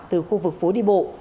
từ khu vực phố đi bộ